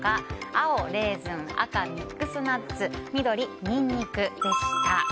青、レーズン赤、ミックスナッツ緑、ニンニク。